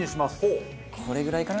これぐらいかな？